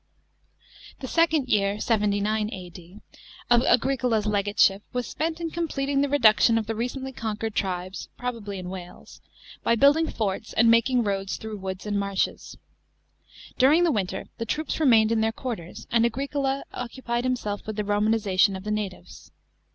§ 3. The second year (79 A.D.) of Agricola's legateship was spent in completing the reduction of the recently conquered tribes — probably in Wales — by building forts and making roads through woods and marshes During the winter the troops remained in their quarters, and Agricola occupied himself with the Romaniza tion of the natives.